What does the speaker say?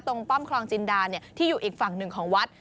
ป้อมคลองจินดาที่อยู่อีกฝั่งหนึ่งของวัด